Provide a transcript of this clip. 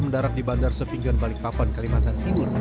mendarat di bandar sepinggan balikpapan kalimantan timur